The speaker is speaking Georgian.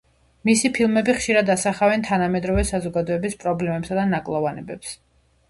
მისი ფილმები ხშირად ასახავს თანამედროვე საზოგადოების პრობლემებსა და ნაკლოვანებებს.